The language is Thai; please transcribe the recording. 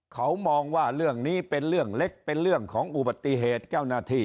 เขามองว่าเรื่องนี้เป็นเรื่องเล็กเป็นเรื่องของอุบัติเหตุเจ้าหน้าที่